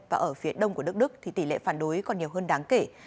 và ở phía đông của đức tỷ lệ phản đối còn nhiều hơn đáng kể